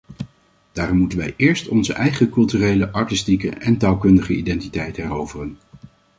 Daarom moeten wij eerst onze eigen culturele, artistieke en taalkundige identiteit heroveren.